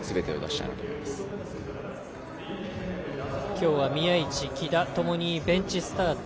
今日は宮市、喜田ともにともにベンチスタート。